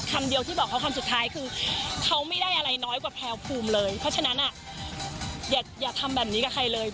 คำเดียวที่บอกเขาคำสุดท้ายคือเขาไม่ได้อะไรน้อยกว่าแพลวภูมิเลยเพราะฉะนั้นอย่าทำแบบนี้กับใครเลย